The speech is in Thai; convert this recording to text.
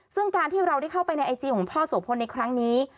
ซึ่งการที่เราได้เข้าไปในไอจีของพ่อโสพลในครั้งนี้